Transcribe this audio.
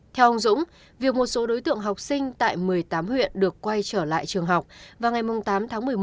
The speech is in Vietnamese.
theo ông dũng việc một số đối tượng học sinh tại một mươi tám huyện được quay trở lại trường học vào ngày tám tháng một mươi một